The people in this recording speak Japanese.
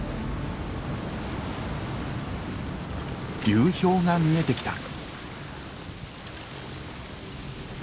流氷が見えてきた。